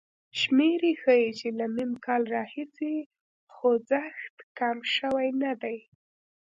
شمېرې ښيي چې له م کال راهیسې خوځښت کم شوی نه دی.